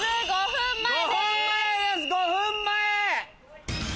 ５分前！